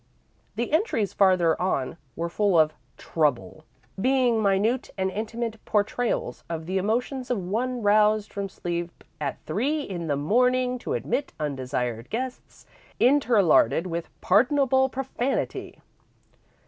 The entries farther on were full of "trouble," being minute and intimate portrayals of the emotions of one roused from sleep at three in the morning to admit undesired guests, interlarded with pardonable profanity.